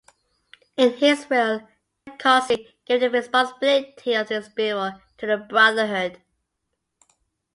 In his will, Tagliacozzi gave the responsibility of his burial to the brotherhood.